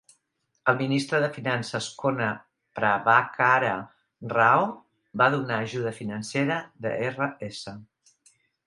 El ministre de Finances Kona Prabhakara Rao va donar ajuda financera de Rs.